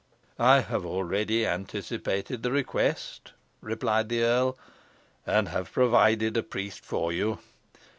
"I have already anticipated the request," replied the earl, "and have provided a priest for you.